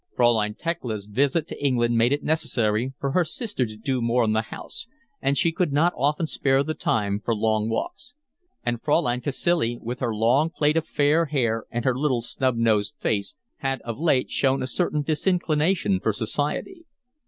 Fraulein Thekla's visit to England made it necessary for her sister to do more in the house, and she could not often spare the time for long walks; and Fraulein Cacilie, with her long plait of fair hair and her little snub nosed face, had of late shown a certain disinclination for society.